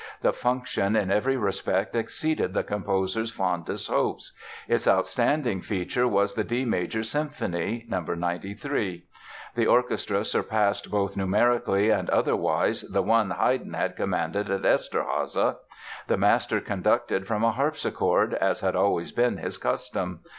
The function in every respect exceeded the composer's fondest hopes. Its outstanding feature was the D major Symphony (No. 93). The orchestra surpassed both numerically and otherwise the one Haydn had commanded at Eszterháza. The master conducted from a harpsichord, as had always been his custom.